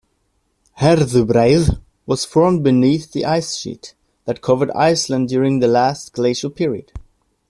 Herðubreið was formed beneath the icesheet that covered Iceland during the last glacial period.